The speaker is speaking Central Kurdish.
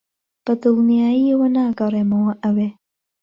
بەدڵنیاییەوە ناگەڕێمەوە ئەوێ.